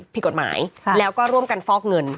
ผิดกฎหมายแล้วก็ร่วมกันฟอกเงิน